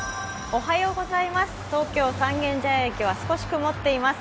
東京・三軒茶屋駅は少し曇っています。